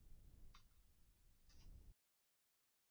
林的亚裔身份也是一个敏感问题。